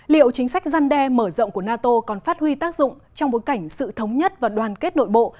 liệu chính sách răn đe mở rộng của nato còn phát huy tác dụng trong bối cảnh sự thống nhất và đoàn kết nội bộ